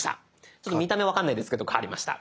ちょっと見た目分かんないですけど変わりました。